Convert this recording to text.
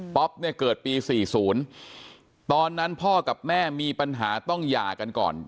ป๊อปเนี่ยเกิดปี๔๐ตอนนั้นพ่อกับแม่มีปัญหาต้องหย่ากันก่อน